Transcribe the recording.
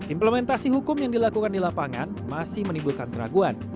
implementasi hukum yang dilakukan di lapangan masih menimbulkan keraguan